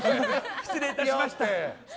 失礼いたしました。